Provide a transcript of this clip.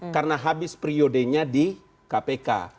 karena habis periodenya di kpk